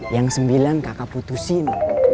yang sembilan kakak putusin